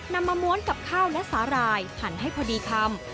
นำมาม้วนกับข้าวและสาหร่ายหั่นให้พอดีคำ